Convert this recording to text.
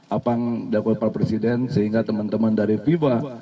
apang dagoipa presiden sehingga teman teman dari viva